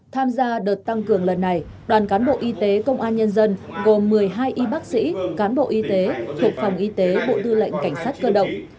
tham gia đợt tăng cường lần này đoàn cán bộ y tế công an nhân dân gồm một mươi hai y bác sĩ cán bộ y tế thuộc phòng y tế bộ tư lệnh cảnh sát cơ động